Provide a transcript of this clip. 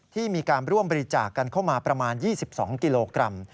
ที่มีการร่วมบริจาคกันเข้ามาประมาณ๒๒กิโลกรัม